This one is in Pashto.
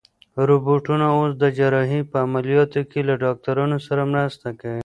روبوټونه اوس د جراحۍ په عملیاتو کې له ډاکټرانو سره مرسته کوي.